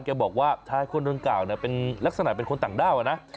เกี่ยวบอกว่าถ้าให้คนนั้นกล่าวลักษณะเป็นคนต่างด้าวนะ